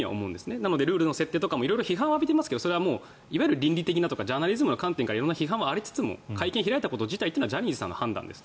なのでルールの設定とかは色々批判を浴びていますけどそれは倫理的なとかジャーナリズムの観点から色んな批判はありつつも会見を開いたこと自体はジャニーズさんの判断です。